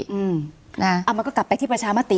เอามันก็กลับไปที่ประชามติ